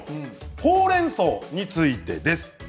ほうれんそうについてです。